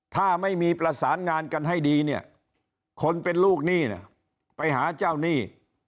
ถ้าไม่มีประสานงานกันให้ดีเนี่ยคนเป็นลูกหนี้เนี่ยไปหาเจ้าหนี้